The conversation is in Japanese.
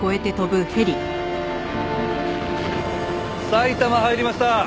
埼玉入りました。